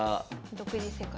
独自世界。